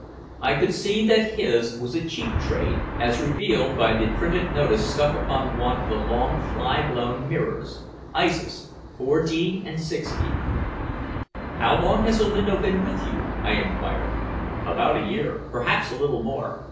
I could see that his was a cheap trade, as revealed by the printed notice stuck upon one of the long fly blown mirrors: "Ices 4d and 6d." "How long has Olinto been with you?" I inquired. "About a year perhaps a little more.